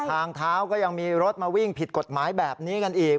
ทางเท้าก็ยังมีรถมาวิ่งผิดกฎหมายแบบนี้กันอีก